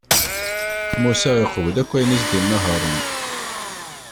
Musa, iqbel ayen akken i s-d-inna Haṛun.